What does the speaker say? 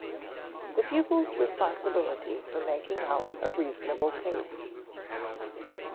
[Sidenote: The pupil's responsibility for making out a reasonable case] II.